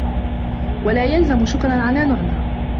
وَلَا يَلْزَمُ شُكْرًا عَلَى نُعْمَى